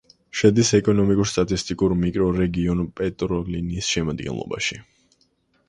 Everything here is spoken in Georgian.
შედის ეკონომიკურ-სტატისტიკურ მიკრორეგიონ პეტროლინის შემადგენლობაში.